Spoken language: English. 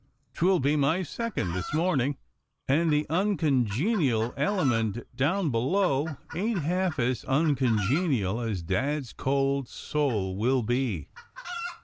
'Twill be my sec ond this morning, and the uncongenial element down below ain't half as uncongenial as dad's cold soul will be.